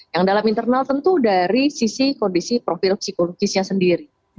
yang dalam internal tentu dari sisi kondisi profil psikologisnya sendiri